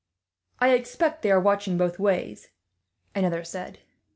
"I expect they are watching both ways," another said.